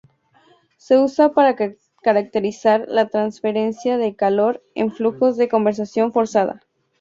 Se usa para caracterizar la transferencia de calor en flujos de convección forzada.